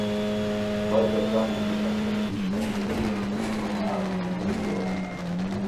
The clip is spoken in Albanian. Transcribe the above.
Përmbajtja e Planit të lokacionit dhe planimetrive përcaktohen me akt nënligjor.